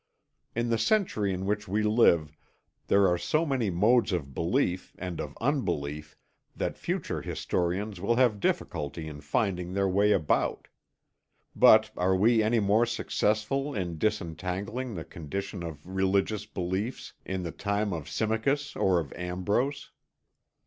In the century in which we live there are so many modes of belief and of unbelief that future historians will have difficulty in finding their way about. But are we any more successful in disentangling the condition of religious beliefs in the time of Symmachus or of Ambrose?